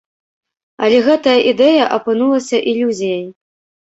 Але гэтая ідэя апынулася ілюзіяй.